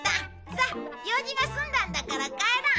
さあ用事が済んだんだから帰ろう。